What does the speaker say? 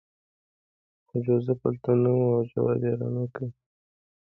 خو جوزف هلته نه و او ځواب یې رانکړ